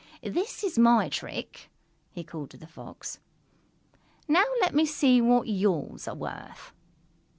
"This is my trick," he called to the Fox. "Now let me see what yours are worth."